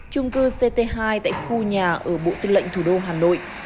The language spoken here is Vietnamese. trung cư ct hai tại khu nhà ở bộ tư lệnh thủ đô hà nội